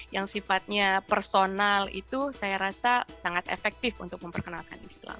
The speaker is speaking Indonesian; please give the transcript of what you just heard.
yang sifatnya personal itu saya rasa sangat efektif untuk memperkenalkan islam